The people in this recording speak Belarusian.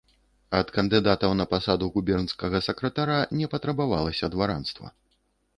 Ад кандыдатаў на пасаду губернскага сакратара не патрабавалася дваранства.